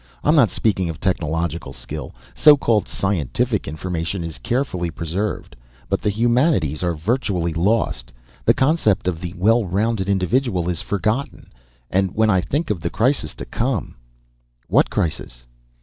I'm not speaking of technological skill; so called scientific information is carefully preserved. But the humanities are virtually lost. The concept of the well rounded individual is forgotten. And when I think of the crisis to come " "What crisis?"